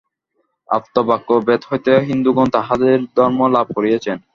আপ্তবাক্য বেদ হইতে হিন্দুগণ তাঁহাদের ধর্ম লাভ করিয়াছেন।